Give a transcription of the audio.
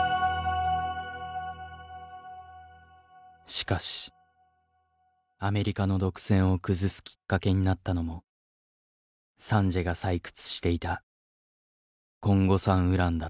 しかしアメリカの独占を崩すきっかけになったのもサンジエが採掘していたコンゴ産ウランだった。